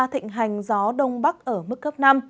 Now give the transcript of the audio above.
thịnh hành gió đông bắc ở mức cấp năm